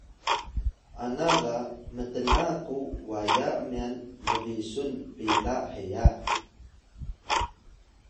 ana ga mtna ku waya myan bbisun pila heya